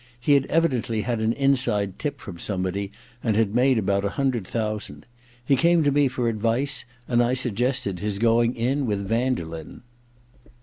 He had evidently had an inside tip from somebody, and had made about a hundred thousand. He came to me for advice, and I suggested his going in with Vanderlyn.